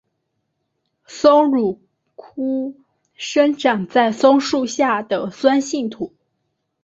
松乳菇生长在松树下的酸性土。